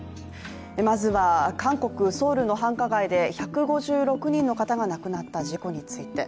まずは韓国ソウルの繁華街で１５６人の方が亡くなった事故について。